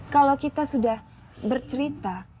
kalau kita sudah bercerita